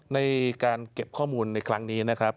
ในการเก็บข้อมูลในครั้งนี้นะครับ